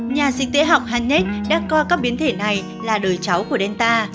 nhà sinh tế học hanek đã coi các biến thể này là đời cháu của delta